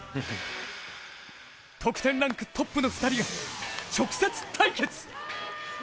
得点ランクトップの２人が直接対決。